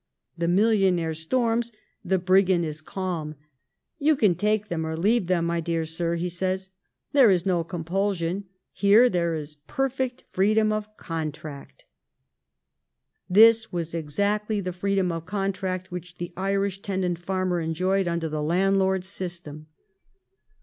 The millionaire storms, the brigand is calm. " You can take them or leave them, my dear sir," he says; "there is no compulsion; here there is per fect freedom of contract." This was exactly the freedom of contract which the Irish tenant farmer enjoyed under the landlord system.